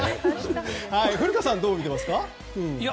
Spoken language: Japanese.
古田さんどう見ていますか。